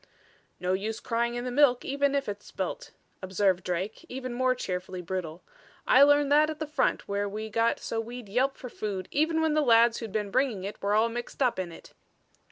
"No use crying in the milk even if it's spilt," observed Drake, even more cheerfully brutal. "I learned that at the front where we got so we'd yelp for food even when the lads who'd been bringing it were all mixed up in it."